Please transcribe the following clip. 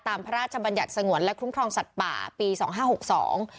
พระราชบัญญัติสงวนและคุ้มครองสัตว์ป่าปีสองห้าหกสอง